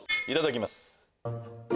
いただきます。